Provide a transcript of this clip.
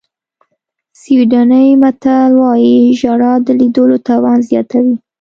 سویډني متل وایي ژړا د لیدلو توان زیاتوي.